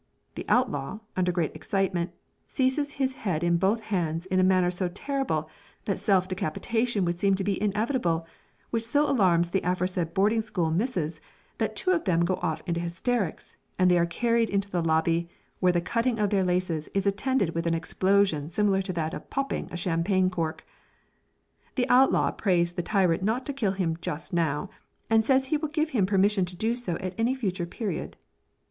The outlaw, under great excitement, seizes his head in both hands in a manner so terrible, that self decapitation would seem to be inevitable, which so alarms the aforesaid boarding school misses, that two of them go off into hysterics, and they are carried into the lobby, where the cutting of their laces is attended with an explosion similar to that of "popping" a champagne cork. The outlaw prays the tyrant not to kill him just now, and says he will give him permission to do so at any future period.